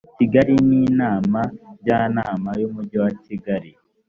kigali n inama njyanama y umujyi wakigali